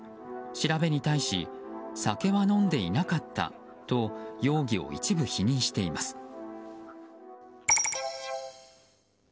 調べに対し酒は飲んでいなかったと容疑を一部否認しています。